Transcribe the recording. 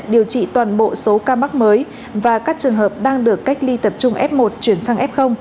bệnh viện giã chiến số một là loại hình cơ sở tiếp nhận điều trị toàn bộ số ca mắc mới và các trường hợp đang được cách ly tập trung f một chuyển sang f